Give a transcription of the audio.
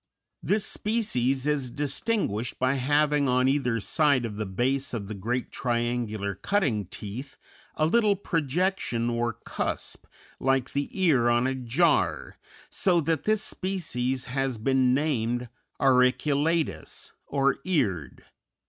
This species is distinguished by having on either side of the base of the great triangular cutting teeth a little projection or cusp, like the "ear" on a jar, so that this species has been named auriculatus, or eared.